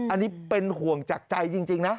อันนี้เป็นห่วงจากใจจริงนะ